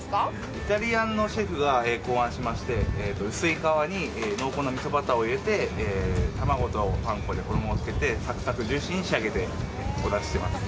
イタリアンのシェフが考案しまして、薄い皮に濃厚なみそバターをつけて卵とパン粉をつけてサクサク、ジューシーに仕上げてお出ししています。